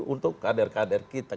untuk kader kader kita